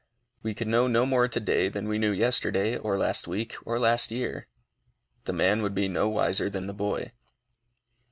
We could know no more to day than we knew yesterday, or last week, or last year. The man would be no wiser than the boy.